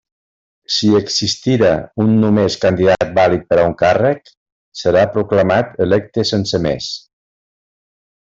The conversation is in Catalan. Si existira un només candidat vàlid per a un càrrec, serà proclamat electe sense més.